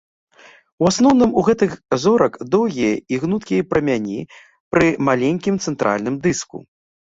У асноўным у гэтых зорак доўгія і гнуткія прамяні пры маленькім цэнтральным дыску.